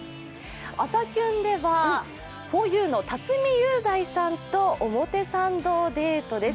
「朝キュン」ではふぉゆの辰巳雄大さんと表参道デートです。